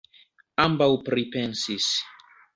Ambaŭ pripensis.